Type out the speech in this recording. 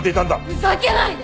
ふざけないで！